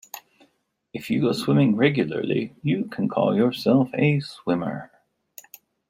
If you go swimming regularly, you can call yourself a swimmer.